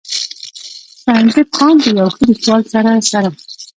“ سرنزېب خان د يو ښه ليکوال سره سره